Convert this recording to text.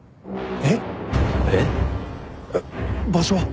えっ場所は？